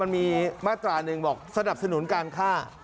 มาตราหนึ่งบอกสนับสนุนการฆ่า